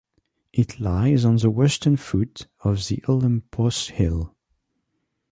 It lies on the western foot of the Olympos hill.